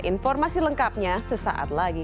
informasi lengkapnya sesaat lagi